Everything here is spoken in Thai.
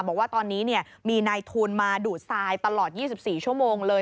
บอกว่าตอนนี้มีนายทุนมาดูดทรายตลอด๒๔ชั่วโมงเลย